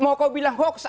mau kau bilang hoax